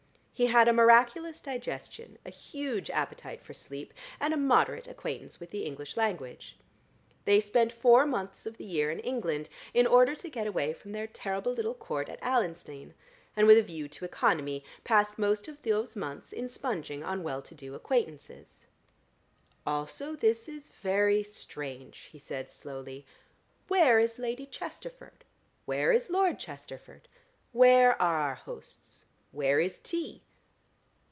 He had a miraculous digestion, a huge appetite for sleep, and a moderate acquaintance with the English language. They spent four months of the year in England in order to get away from their terrible little Court at Allenstein, and with a view to economy, passed most of those months in sponging on well to do acquaintances. "Also this is very strange," he said slowly. "Where is Lady Chesterford? Where is Lord Chesterford? Where are our hosts? Where is tea?"